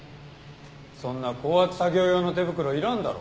そんな高圧作業用の手袋いらんだろ。